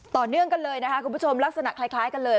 ต่อเนื่องกันเลยนะคะคุณผู้ชมลักษณะคล้ายกันเลย